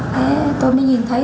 thế tôi mới nhìn thấy